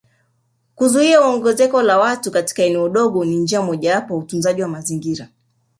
kuzuia ongezeko la watu katika eneo dogo ni njia mojawapo ya utunzaji wa mazingira